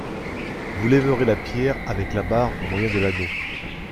Vous lèverez la pierre avec la barre au moyen de l’anneau.